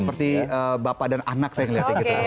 seperti bapak dan anak saya ngeliatin gitu ya